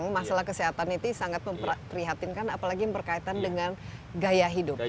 masalah kesehatan itu sangat memprihatinkan apalagi yang berkaitan dengan gaya hidup